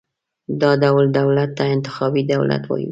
دا ډول دولت ته انتخابي دولت وایو.